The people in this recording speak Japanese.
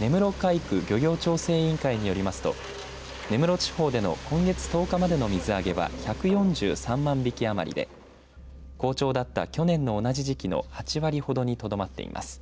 根室海区漁業調整委員会によりますと根室地方での今月１０日までの水揚げは１４３万匹余りで好調だった去年の同じ時期の８割程にとどまっています。